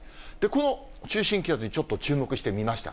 この中心気圧にちょっと注目してみました。